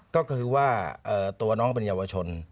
ก็คือว่าตัวน้องเป็นเยาวชน